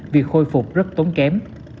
vì khôi phục rất tốn kém